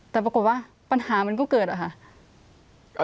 แต่ปรากฏว่าปัญหามันก็เกิดอะค่ะ